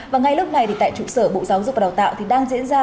và ngay lúc này thì tại trụ sở bộ giáo dục và đào tạo thì đang diễn ra